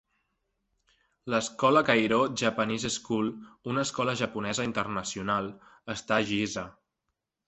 L'escola Cairo Japanese School, una escola japonesa internacional, està a Giza.